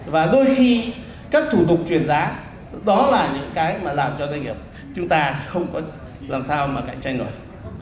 và đôi khi các thủ tục chuyển giá đó là những cái mà làm cho doanh nghiệp chúng ta không có làm sao mà cạnh tranh nổi